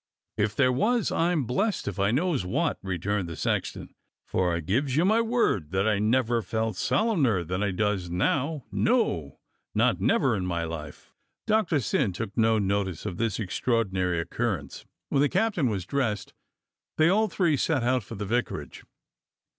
"If there was, I'm blessed if I knows wot," returned the sexton, "for I gives you my word that I never felt solemner than I does now, no, not never in my life." Doctor Syn took no notice of this extraordinary oc currence. When the captain was dressed they all three set out for the vicarage.